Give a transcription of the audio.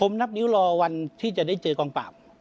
ผมนับนิ้วรอวันที่จะได้เจอกองปราบ